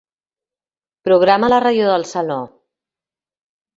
Programa la ràdio del saló.